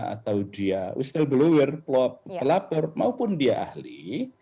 atau dia whistleblower pelapor maupun dia ahli